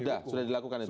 sudah sudah dilakukan itu